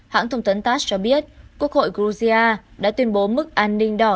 hãng thông tấn tass cho biết quốc hội georgia đã tuyên bố mức an ninh đỏ